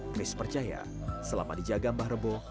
chris percaya selama dijaga mbah rebo